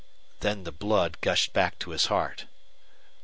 Then the blood gushed back to his heart.